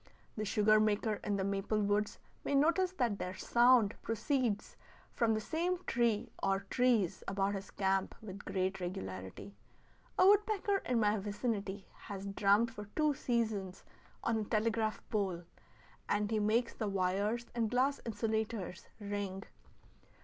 The sugar maker in the maple woods may notice that their sound proceeds from the same tree or trees about his camp with great regularity. A woodpecker in my vicinity has drummed for two seasons on a telegraph pole, and he makes the wires and glass insulators ring.